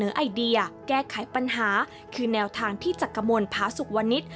การเสนอไอเดียแก้ไขปัญหาคือแนวทางที่จักรมนภาษุกวณิชย์